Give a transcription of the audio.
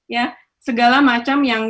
ya segala macam yang